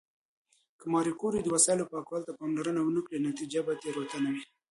که ماري کوري د وسایلو پاکوالي ته پاملرنه ونه کړي، نتیجه به تېروتنه وي.